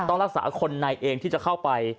ต้องรักษาคนในเองที่จะเข้าไป